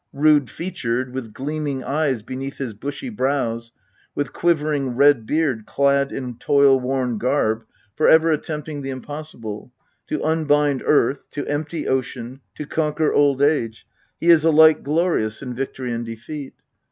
Rude featured, with gleaming eyes beneath his bushy brows, with quivering red beard, clad in toil worn garb, for ever attempting the impossible to unbind earth, to empty ocean, to conquer old age, he is alike glorious in victory and defeat.